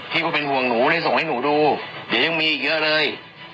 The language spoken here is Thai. ก็เป็นห่วงหนูเลยส่งให้หนูดูเดี๋ยวยังมีอีกเยอะเลย